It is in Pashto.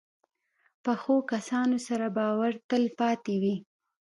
پخو کسانو سره باور تل پاتې وي